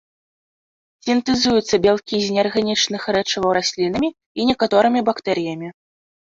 Сінтэзуюцца бялкі з неарганічных рэчываў раслінамі і некаторымі бактэрыямі.